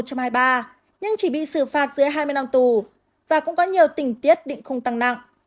nhưng chỉ bị xử phạt dưới hai mươi năm tù và cũng có nhiều tình tiết định không tăng nặng